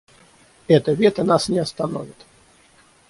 Это вето нас не остановит.